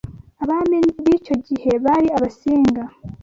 Abami b’icyo gihugu bari Abasinga